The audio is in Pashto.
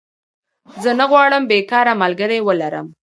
زه نه غواړم بيکاره ملګری ولرم